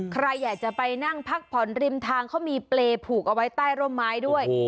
ใครอยากจะไปนั่งพักผ่อนริมทางเขามีเปรย์ผูกเอาไว้ใต้ร่มไม้ด้วย